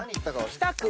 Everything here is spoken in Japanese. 北区。